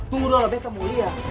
tunggu dulu lah bete mulia